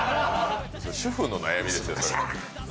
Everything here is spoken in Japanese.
主婦の悩みですよ